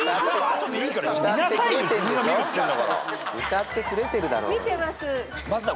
歌ってくれてるだろうよ。